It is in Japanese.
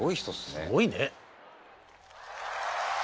すごいね。